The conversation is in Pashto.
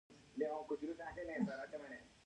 زوی یې ورته وايي: